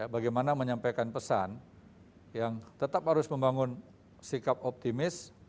bagaimana menyampaikan pesan yang tetap harus membangun sikap optimis